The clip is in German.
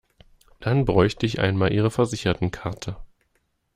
Dann bräuchte ich einmal ihre Versichertenkarte.